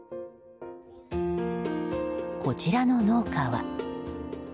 こちらの農家は。